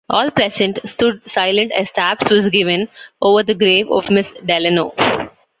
All present stood silent as "taps" was given over the grave of Miss Delano.